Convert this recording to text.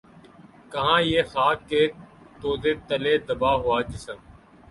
کہاں یہ خاک کے تودے تلے دبا ہوا جسم